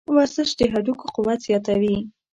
ورزش د هډوکو قوت زیاتوي.